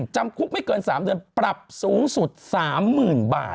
จำคุกไม่เกิน๓เดือนปรับสูงสุด๓๐๐๐บาท